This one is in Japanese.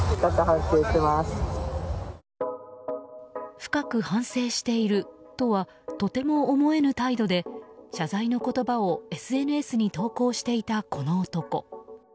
深く反省しているとはとても思えぬ態度で謝罪の言葉をＳＮＳに投稿していたこの男。